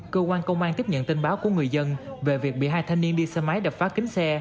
cơ quan công an tiếp nhận tin báo của người dân về việc bị hai thanh niên đi xe máy đập phá kính xe